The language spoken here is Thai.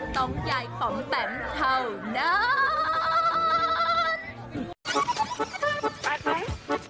ต้องยายของแตมเท่านั้น